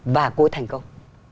và cô ấy thành công